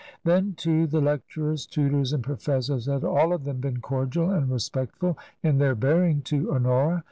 Then, too, the lecturers, tutors, and professors had all of them been cordial and respect ful in their bearing to Honora.